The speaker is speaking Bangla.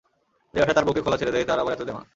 যে ব্যাটা তার বউকে খোলা ছেড়ে দেয় তার আবার এত দেমাক।